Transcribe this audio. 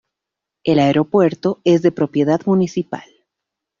El aeropuerto es de propiedad municipal.